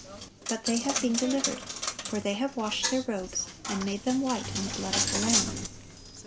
But they have been delivered, for they have "washed their robes, and made them white in the blood of the Lamb."